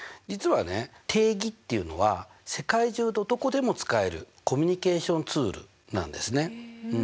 実はね定義っていうのは世界中どこでも使えるコミュニケーションツールなんですね。